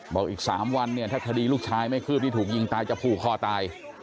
บอกอีก๓วันเนี่ยถ้าคดีลูกชายไม่คืบที่ถูกยิงตายจะผูกคอตาย